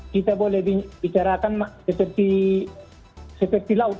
kita boleh bicarakan seperti laut